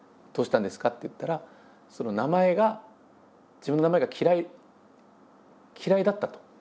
「どうしたんですか？」って言ったらその名前が「自分の名前が嫌いだった」と。